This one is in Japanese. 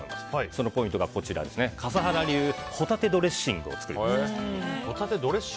そのポイントが笠原流ホタテドレッシングを作るべし。